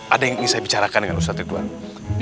ada yang ingin saya bicarakan dengan ustazah nulul